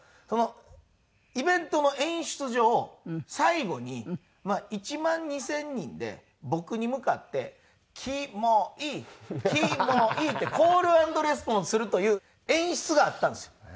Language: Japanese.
そのイベントの演出上最後に１万２０００人で僕に向かって「キモいキモい」ってコールアンドレスポンスするという演出があったんですよ。